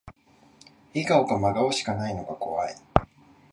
笑顔か真顔しかないのが怖い